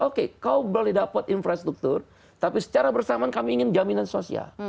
oke kau boleh dapat infrastruktur tapi secara bersamaan kami ingin jaminan sosial